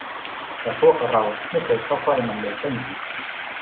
แต่พวกเราไม่เคยเข้าใกล้มันเลยใช่ไหม